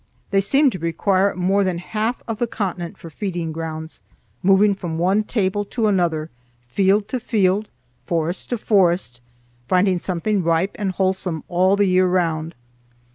They seemed to require more than half of the continent for feeding grounds, moving from one table to another, field to field, forest to forest, finding something ripe and wholesome all the year round.